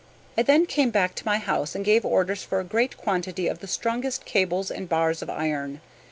I then came back to my house and gave orders for a great quantity of the strongest cables and bars of iron.